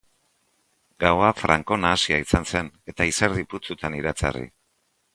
Gaua franko nahasia izan zen eta izerdi putzutan iratzarri.